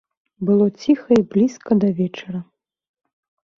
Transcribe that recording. Было ціха і блізка да вечара.